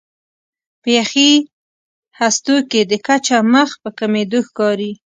په یخي هستو کې د کچه مخ په کمېدو ښکاري.